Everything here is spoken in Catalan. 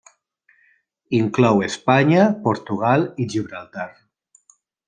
Inclou, Espanya, Portugal i Gibraltar.